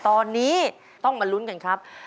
ตอนนี้ต้องมาลุ้นกันครับ